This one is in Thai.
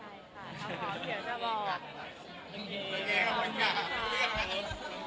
อเรนนี่ปุ๊ปอเรนนี่ปุ๊ป